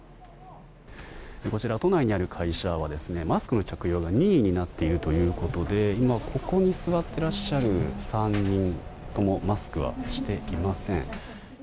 こちら都内にある会社はマスクの着用が任意になっているということでここに座っていらっしゃる３人ともマスクをしていません。